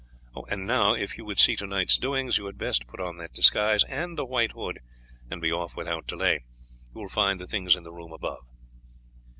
And now, if you would see to night's doings, you had best put on that disguise and the white hood, and be off without delay; you will find the things in the room above."